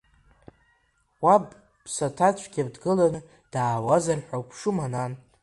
Уаб ԥсаҭацәгьа дгыланы даауазар ҳәа уԥшума, нан?